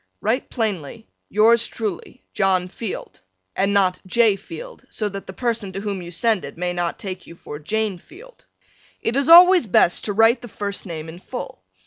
Write plainly Yours truly, John Field and not J. Field, so that the person to whom you send it may not take you for Jane Field. It is always best to write the first name in full.